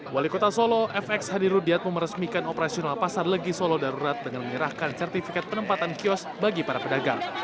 wali kota solo fx hadi rudiat memeresmikan operasional pasar legi solo darurat dengan menyerahkan sertifikat penempatan kios bagi para pedagang